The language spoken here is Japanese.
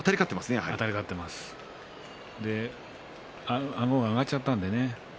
そしてあごが上がっちゃったんでね